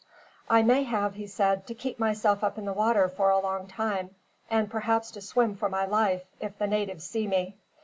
"I may have," he said, "to keep myself up in the water for a long time, and perhaps to swim for my life, if the natives see me.